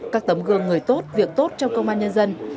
các tấm gương người tốt việc tốt trong công an nhân dân